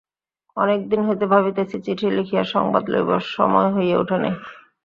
অনেক দিন হইতে ভাবিতেছি চিঠি লিখিয়া সংবাদ লইব– সময় হইয়া উঠে নাই।